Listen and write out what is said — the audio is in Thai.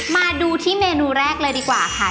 มาดูที่เมนูแรกเลยดีกว่าค่ะ